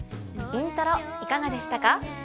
『イントロ』いかがでしたか？